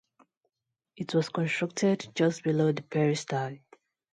It was constructed just below the peristyle.